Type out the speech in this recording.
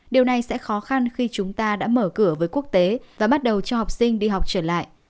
điều này sẽ khó khăn khi chúng ta đã mở cửa với quốc tế và bắt đầu cho học sinh đi học trở lại